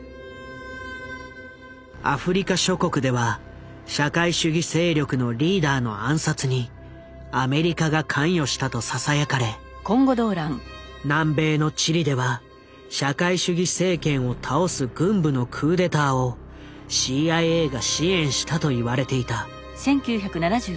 アフリカ諸国では社会主義勢力のリーダーの暗殺にアメリカが関与したとささやかれ南米のチリでは社会主義政権を倒す軍部のクーデターをＣＩＡが支援したといわれていた。